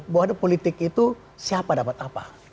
bahwa politik itu siapa dapat apa